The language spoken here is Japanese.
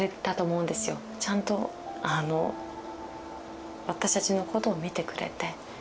ちゃんと私たちのことを見てくれて。